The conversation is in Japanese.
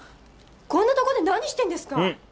こんなとこで何してるんですか？